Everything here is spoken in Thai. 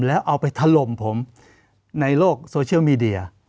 แล้วเอาไปถล่มผมในโลกโซเชียลมีเดีย